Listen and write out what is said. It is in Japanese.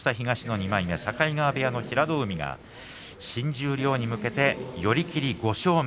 境川部屋の平戸海が新十両に向けて、寄り切り５勝目。